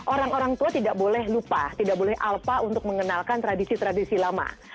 orang orang tua tidak boleh lupa tidak boleh alpa untuk mengenalkan tradisi tradisi lama